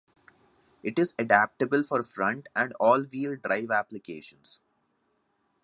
It is adaptable for front and all-wheel drive applications.